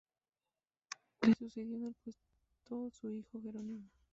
Le sucedió en el puesto su hijo Jerónimo.